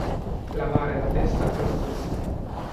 Lavare la testa a qualcuno.